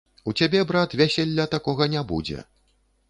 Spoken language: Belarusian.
У цябе, брат, вяселля такога не будзе.